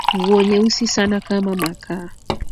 Nguo nyeusi sana kama makaa